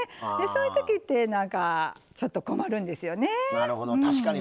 そういうときってなんか、ちょっと困るんですよね。